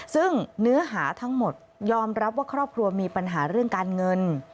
ซึ่งเนื้อหาทั้งหมดยอมรับว่าครอบครัวมีปัญหาเรื่องการเงิน